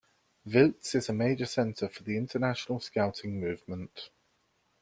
Wiltz is a major centre for the international scouting movement.